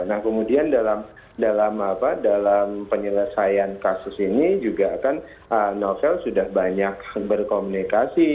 nah kemudian dalam penyelesaian kasus ini juga kan novel sudah banyak berkomunikasi